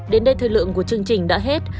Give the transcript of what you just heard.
đến đây thời lượng của chương trình đã hết